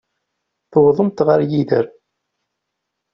Tewwḍemt ɣer yider.